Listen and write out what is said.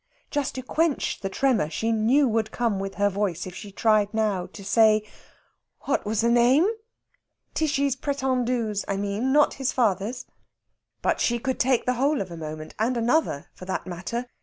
just to quench the tremor she knew would come with her voice if she tried now to say, "What was the name? Tishy's prétendu's, I mean; not his father's." But she could take the whole of a moment, and another, for that matter.